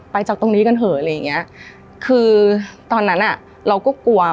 จากตรงนี้กันเหอะอะไรอย่างเงี้ยคือตอนนั้นอ่ะเราก็กลัว